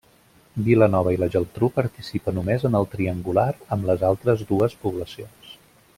Vilanova i la Geltrú participa només en el triangular amb les altres dues poblacions.